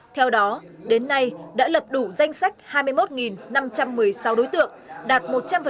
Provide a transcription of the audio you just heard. theo đó đến nay đã lập đủ danh sách hai mươi một năm trăm một mươi sáu đối tượng đạt một trăm linh